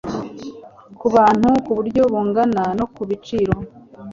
ku bantu ku buryo bungana no ku biciro